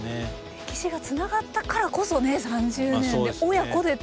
歴史がつながったからこそね３０年で親子でというね。